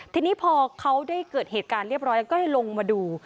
ทีนี้พอเขาได้เกิดเหตุการณ์เรียบร้อยก็เลยลงมาดู